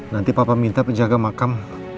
nanti papa minta penjaga makam